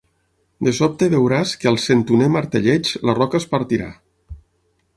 De sobte veuràs que al cent-unè martelleig la roca es partirà.